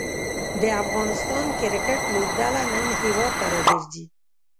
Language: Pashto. د افغانستان کریکټ لوبډله نن هیواد ته راګرځي.